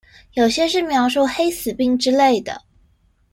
有些是描述黑死病之類的